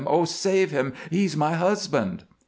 oh, save him ! He 's my husband."